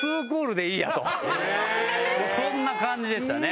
そんな感じでしたね。